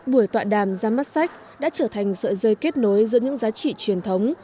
buổi tọa đàm ra mắt sách đã trở thành sợi dây kết nối giữa những giá trị truyền thống